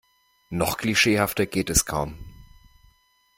Noch klischeehafter geht es kaum.